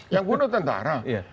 yang bunuh tentara